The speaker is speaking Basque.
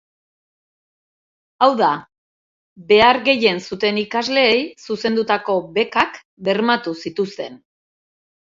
Hau da, behar gehien zuten ikasleei zuzendutako bekak bermatu zituzten.